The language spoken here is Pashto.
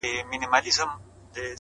هغه چي هيڅوک نه لري په دې وطن کي،